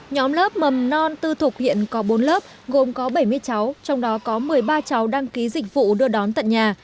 nhóm lớp mầm non tư thục hiện có bốn lớp gồm có bảy mươi cháu trong đó có một mươi ba cháu đăng ký dịch vụ đưa đón tận nhà